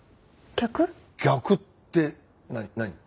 逆って何？